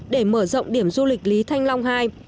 để mở rộng điểm du lịch lý thanh long hai